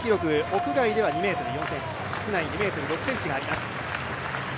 屋外では２ｍ４ｃｍ室内２ｍ６ｃｍがあります。